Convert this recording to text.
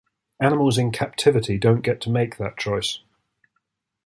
Animals in captivity don't get to make that choice.